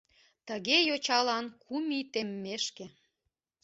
Тыге йочалан кум ий теммешке.